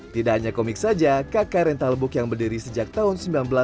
tidak hanya komik saja kk rental book yang berdiri sejak tahun seribu sembilan ratus sembilan puluh